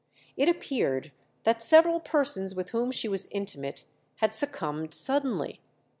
It appeared that several persons with whom she was intimate had succumbed suddenly.